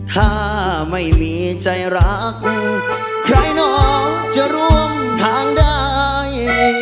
ถ้าไม่มีใจรักใครน้องจะร่วมทางได้